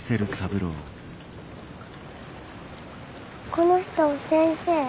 この人先生。